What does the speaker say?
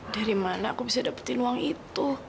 dari mana aku bisa dapetin uang itu